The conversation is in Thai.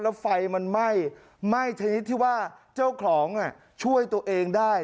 แล้วไฟมันไหม้ไหม้ชนิดที่ว่าเจ้าของช่วยตัวเองได้